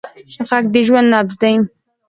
غږ د ژوند نبض دی